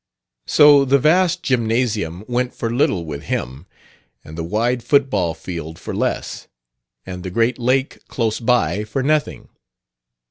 So the vast gymnasium went for little with him, and the wide football field for less, and the great lake, close by, for nothing.